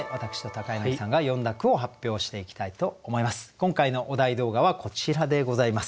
今回のお題動画はこちらでございます。